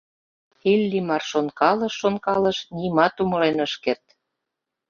Иллимар шонкалыш, шонкалыш, нимат умылен ыш керт.